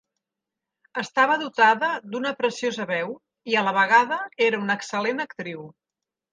Estava dotada d'una preciosa veu i a la vegada era una excel·lent actriu.